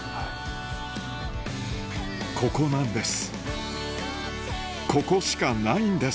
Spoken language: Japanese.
ここなんです